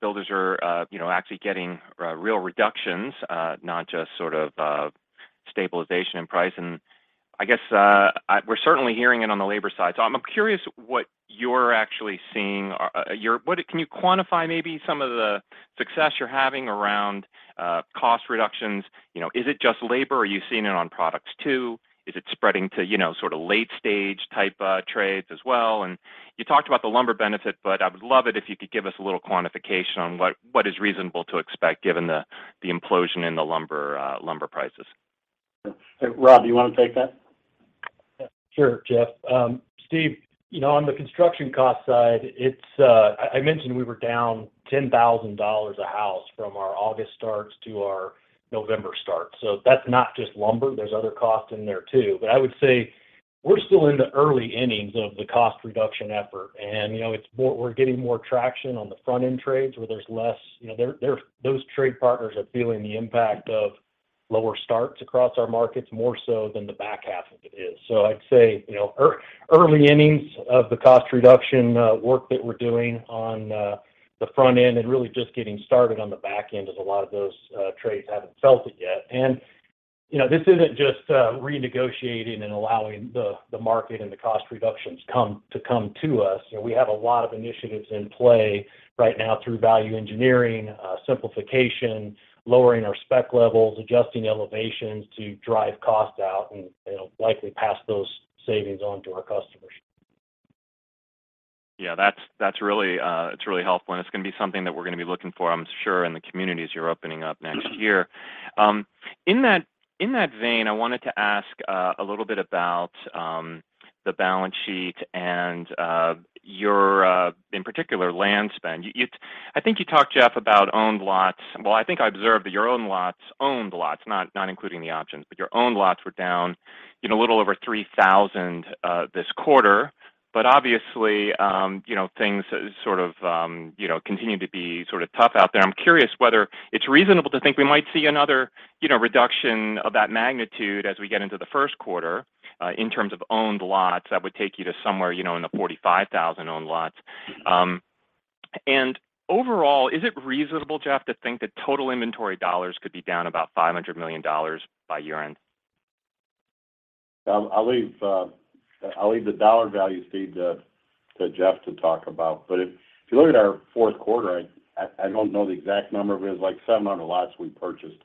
builders are, you know, actually getting real reductions, not just sort of stabilization in price. I guess we're certainly hearing it on the labor side. I'm curious what you're actually seeing. can you quantify maybe some of the success you're having around cost reductions? You know, is it just labor, or are you seeing it on products too? Is it spreading to, you know, sort of late-stage type trades as well? You talked about the lumber benefit, but I would love it if you could give us a little quantification on what is reasonable to expect given the implosion in the lumber prices? Rob, do you wanna take that? Sure, Jeff. Steve, you know, on the construction cost side, I mentioned we were down $10,000 a house from our August starts to our November starts. That's not just lumber, there's other costs in there too. I would say we're still in the early innings of the cost reduction effort. You know, we're getting more traction on the front-end trades. You know, their, those trade partners are feeling the impact of lower starts across our markets, more so than the back half of it is. I'd say, you know, early innings of the cost reduction work that we're doing on the front end, and really just getting started on the back end, as a lot of those trades haven't felt it yet. you know, this isn't just renegotiating and allowing the market and the cost reductions come to us. You know, we have a lot of initiatives in play right now through value engineering, simplification, lowering our spec levels, adjusting elevations to drive costs out, and, you know, likely pass those savings on to our customers. Yeah, that's really, it's really helpful, and it's gonna be something that we're gonna be looking for, I'm sure, in the communities you're opening up next year. In that vein, I wanted to ask a little bit about the balance sheet and your in particular, land spend. I think you talked, Jeff, about owned lots. I think I observed that your owned lots, not including the options, but your owned lots were down, you know, a little over 3,000 this quarter. Obviously, you know, things sort of, you know, continue to be sort of tough out there. I'm curious whether it's reasonable to think we might see another, you know, reduction of that magnitude as we get into the first quarter, in terms of owned lots that would take you to somewhere, you know, in the 45,000 owned lots. Overall, is it reasonable, Jeff, to think that total inventory dollars could be down about $500 million by year-end? I'll leave the dollar value, Steve, to Jeff to talk about. If you look at our fourth quarter, I don't know the exact number, but it was, like, 700 lots we purchased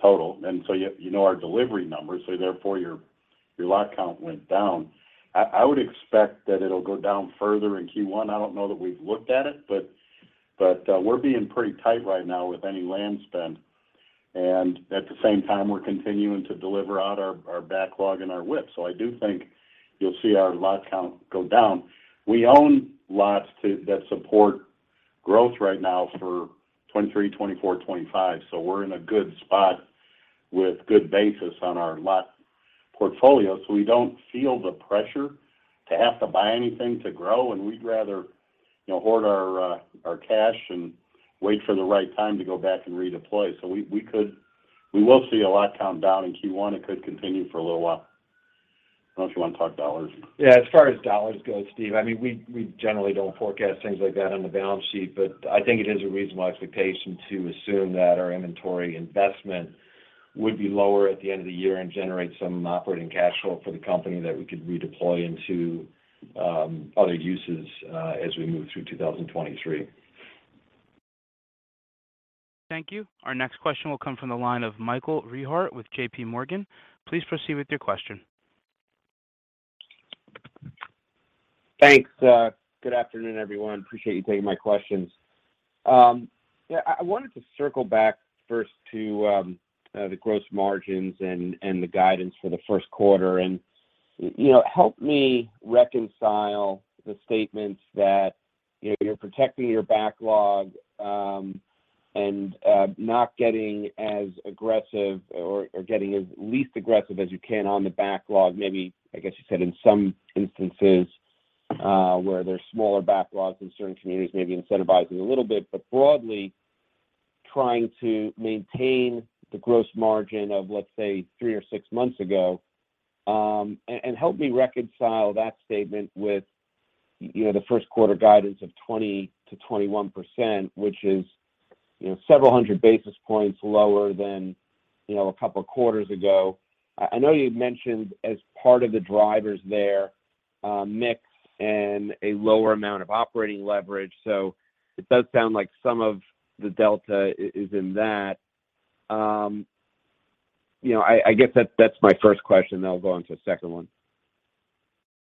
total. You know our delivery numbers, so therefore, your lot count went down. I would expect that it'll go down further in Q1. I don't know that we've looked at it, but we're being pretty tight right now with any land spend. At the same time, we're continuing to deliver out our backlog and our WIP. I do think you'll see our lot count go down. We own lots that support growth right now for 2023, 2024, 2025, so we're in a good spot with good basis on our lot portfolio. We don't feel the pressure to have to buy anything to grow, and we'd rather, you know, hoard our cash and wait for the right time to go back and redeploy. We will see a lot count down in Q1. It could continue for a little while. I don't know if you want to talk dollars. Yeah, as far as dollars go, Steve, I mean, we generally don't forecast things like that on the balance sheet, but I think it is a reasonable expectation to assume that our inventory investment would be lower at the end of the year and generate some operating cash flow for the company that we could redeploy into other uses as we move through 2023. Thank you. Our next question will come from the line of Michael Rehaut with JPMorgan. Please proceed with your question. Thanks. Good afternoon, everyone. Appreciate you taking my questions. Yeah, I wanted to circle back first to the gross margins and the guidance for the first quarter. You know, help me reconcile the statements that, you know, you're protecting your backlog and not getting as aggressive or getting as least aggressive as you can on the backlog. Maybe, I guess, you said in some instances, where there's smaller backlogs in certain communities, maybe incentivizing a little bit. Broadly, trying to maintain the gross margin of, let's say, three or six months ago. Help me reconcile that statement with, you know, the first quarter guidance of 20%-21%, which is, you know, several hundred basis points lower than, you know, a couple of quarters ago. I know you mentioned as part of the drivers there, mix and a lower amount of operating leverage. It does sound like some of the delta is in that. You know, I guess that's my first question, I'll go on to the second one.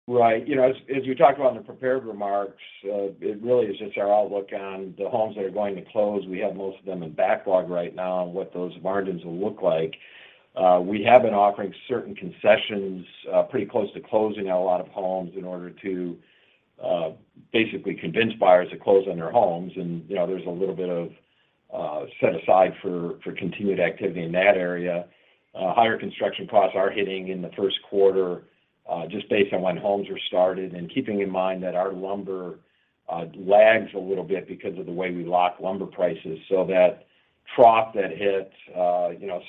Right. You know, as we talked about in the prepared remarks, it really is just our outlook on the homes that are going to close. We have most of them in backlog right now and what those margins will look like. We have been offering certain concessions, pretty close to closing on a lot of homes in order to basically convince buyers to close on their homes. You know, there's a little bit of set aside for continued activity in that area. Higher construction costs are hitting in the first quarter, just based on when homes were started, and keeping in mind that our lumber lags a little bit because of the way we lock lumber prices. That trough that hit,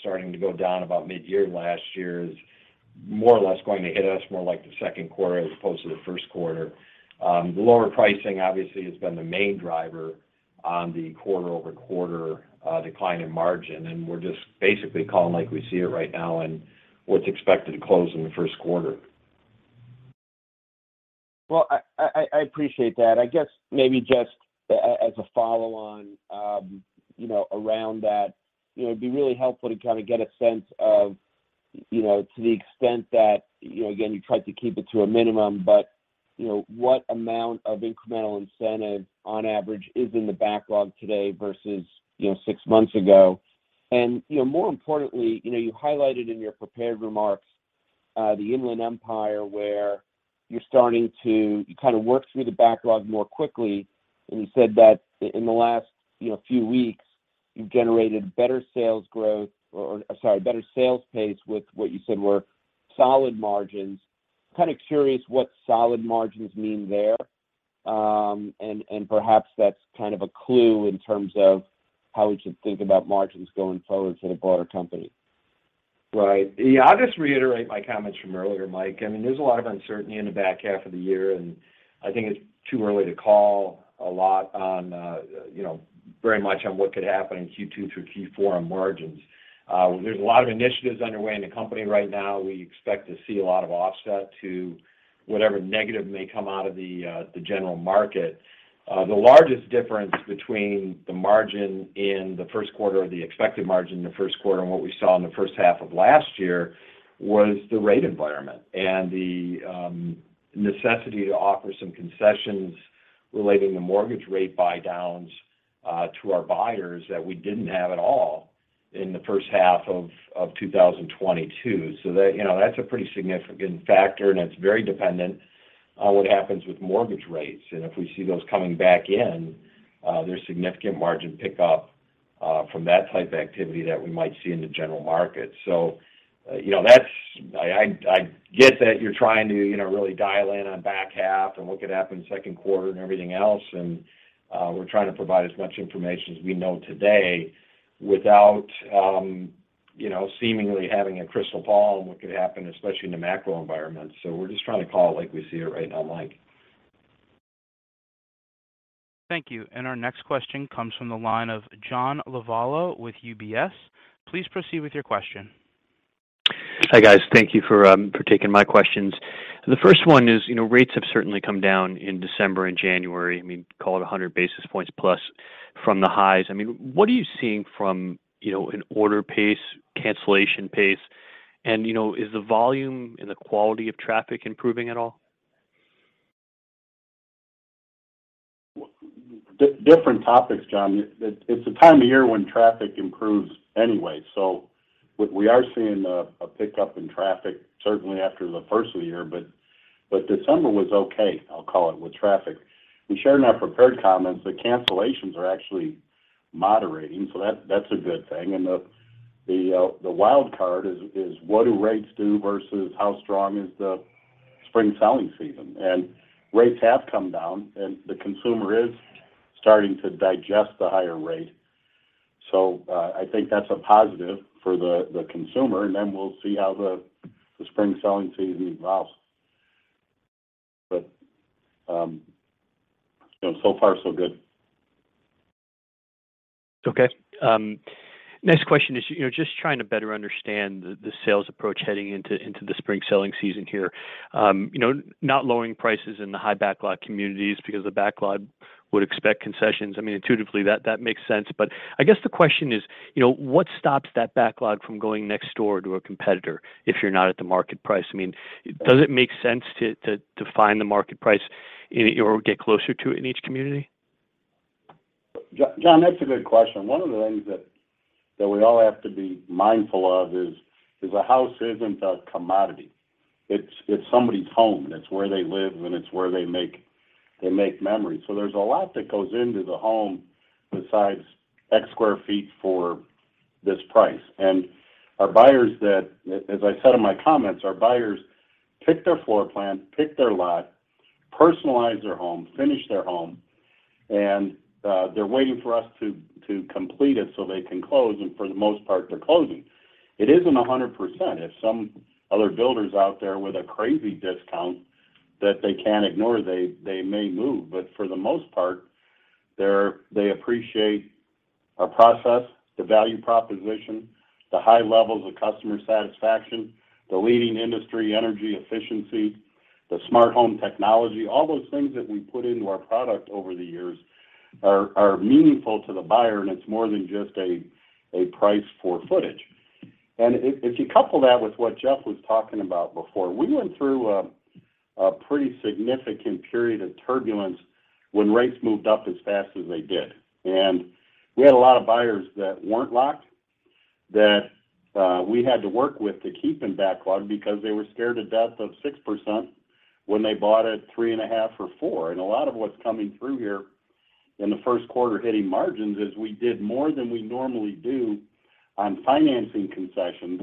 starting to go down about mid-year last year is more or less going to hit us more like the second quarter as opposed to the first quarter. The lower pricing, obviously, has been the main driver on the quarter-over-quarter decline in margin, and we're just basically calling like we see it right now and what's expected to close in the first quarter. Well, I appreciate that. I guess maybe just as a follow-on, you know, around that, you know, it'd be really helpful to kind of get a sense of, you know, to the extent that, you know, again, you tried to keep it to a minimum, but, you know, what amount of incremental incentive on average is in the backlog today versus, you know, 6 months ago? You know, more importantly, you know, you highlighted in your prepared remarks, the Inland Empire where you're starting to kind of work through the backlog more quickly. You said that in the last, you know, few weeks, you've generated better sales growth or sorry, better sales pace with what you said were solid margins. Kind of curious what solid margins mean there. Perhaps that's kind of a clue in terms of how we should think about margins going forward for the broader company. Right. Yeah, I'll just reiterate my comments from earlier, Mike. I mean, there's a lot of uncertainty in the back half of the year, and I think it's too early to call a lot on, you know, very much on what could happen in Q2 through Q4 on margins. There's a lot of initiatives underway in the company right now. We expect to see a lot of offset to whatever negative may come out of the general market. The largest difference between the margin in the first quarter or the expected margin in the first quarter and what we saw in the first half of last year was the rate environment and the necessity to offer some concessions relating to mortgage rate buydowns, to our buyers that we didn't have at all in the first half of 2022. You know, that's a pretty significant factor, and it's very dependent on what happens with mortgage rates. If we see those coming back in, there's significant margin pickup from that type of activity that we might see in the general market. You know, that's. I get that you're trying to, you know, really dial in on back half and what could happen second quarter and everything else, and we're trying to provide as much information as we know today without, you know, seemingly having a crystal ball on what could happen, especially in the macro environment. We're just trying to call it like we see it right now, Mike. Thank you. Our next question comes from the line of John Lovallo with UBS. Please proceed with your question. Hi, guys. Thank you for taking my questions. The first one is, you know, rates have certainly come down in December and January. I mean, call it 100 basis points plus from the highs. I mean, what are you seeing from, you know, an order pace, cancellation pace? You know, is the volume and the quality of traffic improving at all? Different topics, John. It's a time of year when traffic improves anyway, so we are seeing a pickup in traffic certainly after the first of the year. December was okay, I'll call it, with traffic. We shared in our prepared comments that cancellations are actually moderating, so that's a good thing. The wild card is what do rates do versus how strong is the spring selling season. Rates have come down, and the consumer is starting to digest the higher rate. I think that's a positive for the consumer, and then we'll see how the spring selling season evolves. You know, so far so good. Okay. Next question is, you know, just trying to better understand the sales approach heading into the spring selling season here. You know, not lowering prices in the high backlog communities because the backlog would expect concessions. I mean, intuitively, that makes sense. I guess the question is, you know, what stops that backlog from going next door to a competitor if you're not at the market price? I mean, does it make sense to find the market price or get closer to it in each community? John, that's a good question. One of the things that we all have to be mindful of is a house isn't a commodity. It's somebody's home. That's where they live, and it's where they make memories. There's a lot that goes into the home besides X sq ft for this price. Our buyers that. As I said in my comments, our buyers pick their floor plan, pick their lot, personalize their home, finish their home, and they're waiting for us to complete it so they can close, and for the most part, they're closing. It isn't 100%. If some other builder's out there with a crazy discount that they can't ignore, they may move. For the most part, they appreciate our process, the value proposition, the high levels of customer satisfaction, the leading industry energy efficiency, the smart home technology. All those things that we put into our product over the years are meaningful to the buyer, and it's more than just a price for footage. If you couple that with what Jeff was talking about before, we went through a pretty significant period of turbulence when rates moved up as fast as they did. We had a lot of buyers that weren't locked that we had to work with to keep in backlog because they were scared to death of 6% when they bought at 3.5% or 4%. A lot of what's coming through here in the first quarter hitting margins is we did more than we normally do on financing concessions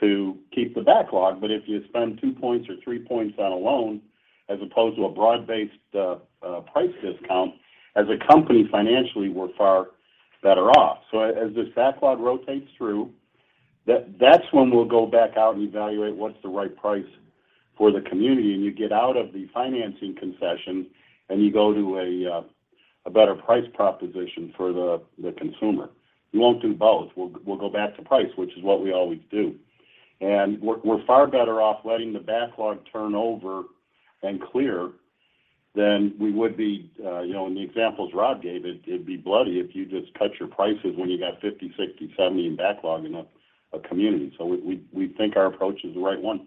to keep the backlog. If you spend 2 points or 3 points on a loan as opposed to a broad-based price discount, as a company, financially, we're far better off. As this backlog rotates through, that's when we'll go back out and evaluate what's the right price for the community, and you get out of the financing concession, and you go to a better price proposition for the consumer. We won't do both. We'll go back to price, which is what we always do. We're far better off letting the backlog turn over and clear than we would be, you know, in the examples Rob gave, it'd be bloody if you just cut your prices when you got 50, 60, 70 in backlog in a community. We think our approach is the right one.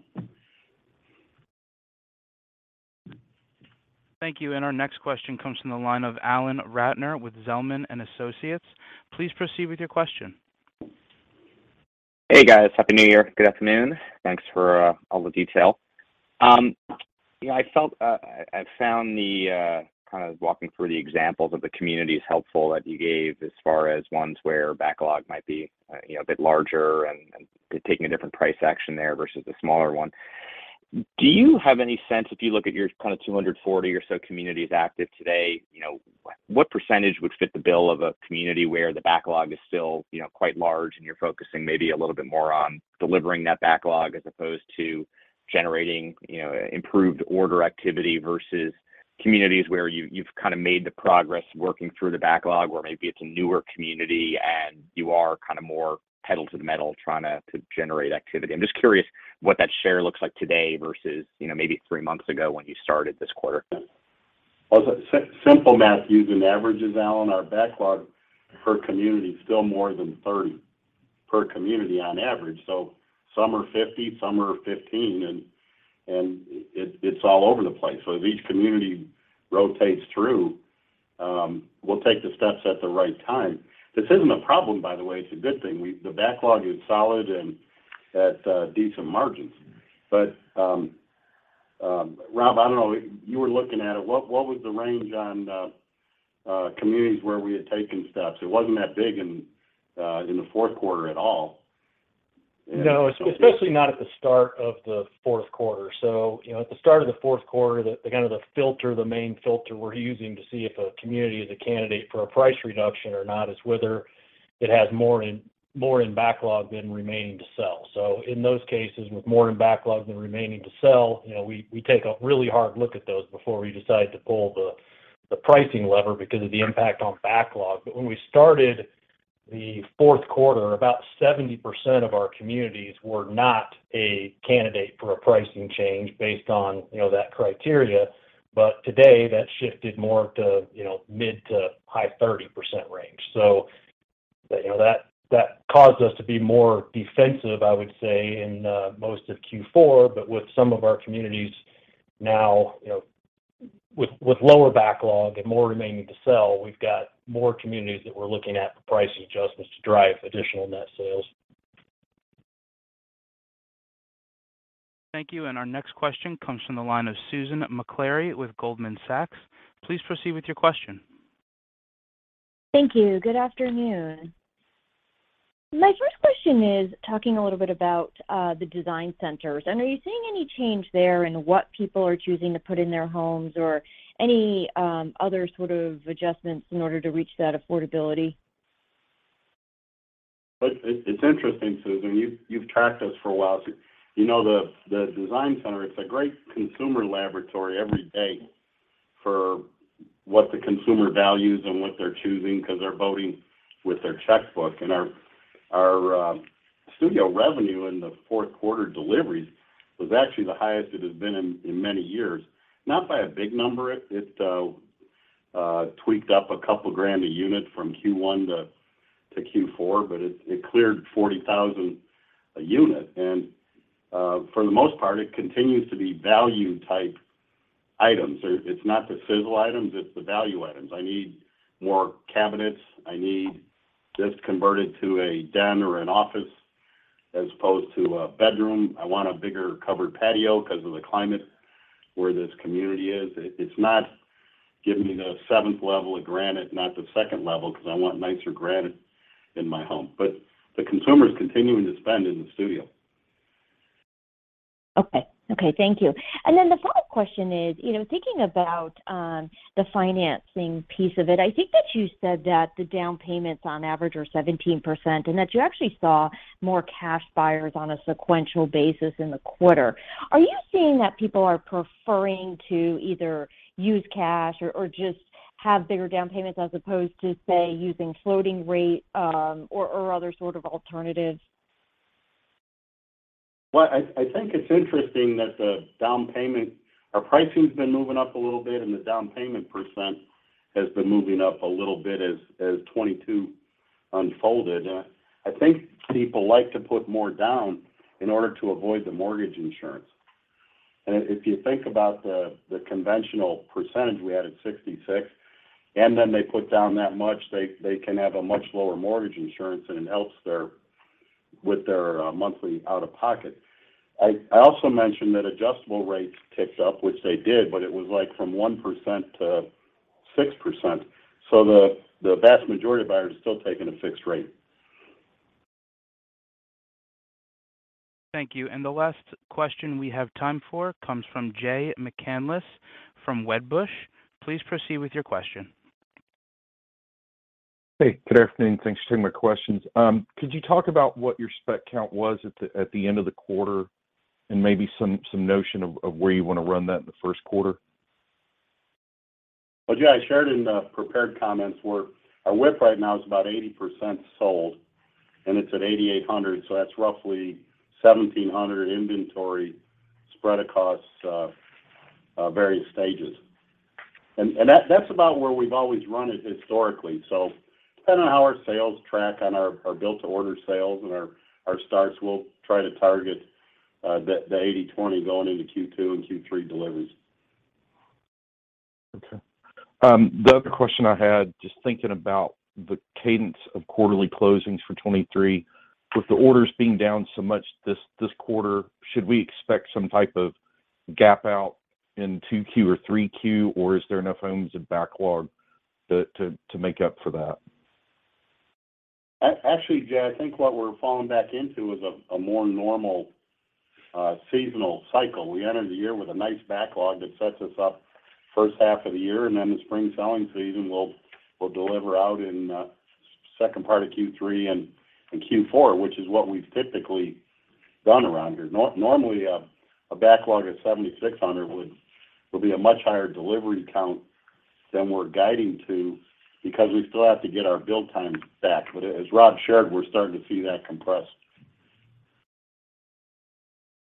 Thank you. Our next question comes from the line of Alan Ratner with Zelman & Associates. Please proceed with your question. Hey, guys. Happy New Year. Good afternoon. Thanks for all the detail. You know, I felt I found the kind of walking through the examples of the communities helpful that you gave as far as ones where backlog might be, you know, a bit larger and taking a different price action there versus the smaller one. Do you have any sense if you look at your kind of 240 or so communities active today, you know, what % would fit the bill of a community where the backlog is still, you know, quite large and you're focusing maybe a little bit more on delivering that backlog as opposed to generating, you know, improved order activity versus communities where you've kind of made the progress working through the backlog or maybe it's a newer community and you are kind of more pedal to the metal trying to generate activity? I'm just curious what that share looks like today versus, you know, maybe 3 months ago when you started this quarter. Simple math you can average, Alan, our backlog per community is still more than 30 per community on average. Some are 50, some are 15, and it's all over the place. As each community rotates through, we'll take the steps at the right time. This isn't a problem, by the way, it's a good thing. The backlog is solid and at decent margins. Rob McGibney, I don't know, you were looking at it. What was the range on communities where we had taken steps? It wasn't that big in the fourth quarter at all. No, especially not at the start of the fourth quarter. You know, at the start of the fourth quarter, the kind of the filter, the main filter we're using to see if a community is a candidate for a price reduction or not is whether it has more in backlog than remaining to sell. In those cases with more in backlog than remaining to sell, you know, we take a really hard look at those before we decide to pull the pricing lever because of the impact on backlog. When we started the fourth quarter, about 70% of our communities were not a candidate for a pricing change based on, you know, that criteria. Today, that shifted more to, you know, mid to high 30% range. You know, that caused us to be more defensive, I would say, in most of Q4. With some of our communities now, you know, with lower backlog and more remaining to sell, we've got more communities that we're looking at for pricing adjustments to drive additional net sales. Thank you. Our next question comes from the line of Susan Maklari with Goldman Sachs. Please proceed with your question. Thank you. Good afternoon. My first question is talking a little bit about the design centers. Are you seeing any change there in what people are choosing to put in their homes or any other sort of adjustments in order to reach that affordability? It's interesting, Susan, you've tracked us for a while. You know the design center, it's a great consumer laboratory every day for what the consumer values and what they're choosing because they're voting with their checkbook. Our studio revenue in the fourth quarter deliveries was actually the highest it has been in many years. Not by a big number. It tweaked up $2,000 a unit from Q1 to Q4, but it cleared $40,000 a unit. For the most part, it continues to be value-type items. It's not the sizzle items, it's the value items. I need more cabinets. I need this converted to a den or an office as opposed to a bedroom. I want a bigger covered patio because of the climate where this community is. It's not give me the seventh level of granite, not the second level, because I want nicer granite in my home. The consumer is continuing to spend in the studio. Okay. Okay, thank you. The follow-up question is, you know, thinking about the financing piece of it, I think that you said that the down payments on average are 17%, and that you actually saw more cash buyers on a sequential basis in the quarter. Are you seeing that people are preferring to either use cash or just have bigger down payments as opposed to, say, using floating rate or other sort of alternatives? Well, I think it's interesting that the down payment... Our pricing's been moving up a little bit, the down payment % has been moving up a little bit as 22 unfolded. I think people like to put more down in order to avoid the mortgage insurance. If you think about the conventional percentage we had at 66, then they put down that much, they can have a much lower mortgage insurance, and it helps with their monthly out-of-pocket. I also mentioned that adjustable rates ticked up, which they did, but it was like from 1% to 6%. The vast majority of buyers are still taking a fixed rate. Thank you. The last question we have time for comes from Jay McCanless from Wedbush. Please proceed with your question. Hey, good afternoon. Thanks for taking my questions. Could you talk about what your spec count was at the end of the quarter and maybe some notion of where you want to run that in the first quarter? Jay, I shared in the prepared comments where our WIP right now is about 80% sold, and it's at 8,800, so that's roughly 1,700 inventory spread across various stages. That's about where we've always run it historically. Depending on how our sales track on our Build to Order sales and our starts, we'll try to target the 80/20 going into Q2 and Q3 deliveries. Okay. The other question I had, just thinking about the cadence of quarterly closings for 23, with the orders being down so much this quarter, should we expect some type of gap out in 2Q or 3Q, or is there enough homes in backlog to make up for that? Actually, Jay, I think what we're falling back into is a more normal seasonal cycle. We enter the year with a nice backlog that sets us up first half of the year, and then the spring selling season will deliver out in second part of Q3 and in Q4, which is what we've typically done around here. Normally a backlog of 7,600 would be a much higher delivery count than we're guiding to because we still have to get our build time back. As Rob shared, we're starting to see that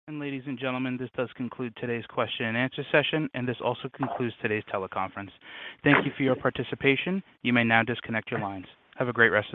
compressed. Ladies and gentlemen, this does conclude today's question and answer session, and this also concludes today's teleconference. Thank you for your participation. You may now disconnect your lines. Have a great rest of your day.